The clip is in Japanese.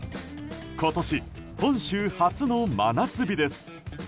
今年、本州初の真夏日です。